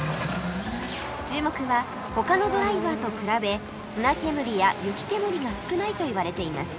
注目は他のドライバーと比べ砂煙や雪煙が少ないといわれています